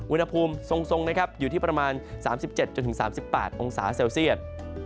อุณหภูมิทรงนะครับอยู่ที่ประมาณ๓๗๓๘องศาเซลเซียต